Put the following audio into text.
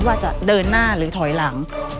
ว่าจะเดินหน้าหรือถอยหลัง